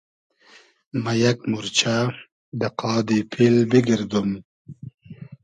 مۂ یئگ مورچۂ دۂ قادی پیل بیگئردوم